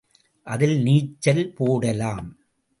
அதில் நீச்சல் போடலாம்.